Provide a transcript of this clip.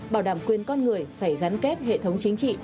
bảo đảm quyền con người phải gắn kết hệ thống chính trị